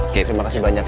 oke terima kasih banyak ya